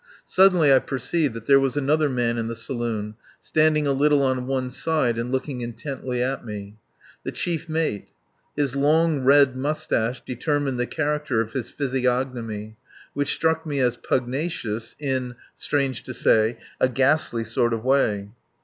Suddenly I perceived that there was another man in the saloon, standing a little on one side and looking intently at me. The chief mate. His long, red moustache determined the character of his physiognomy, which struck me as pugnacious in (strange to say) a ghastly sort of way.